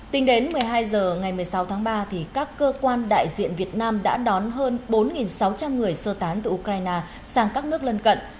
tính đến một mươi hai h ngày một mươi sáu tháng ba các cơ quan đại diện việt nam đã đón hơn bốn sáu trăm linh người sơ tán từ ukraine sang các nước lân cận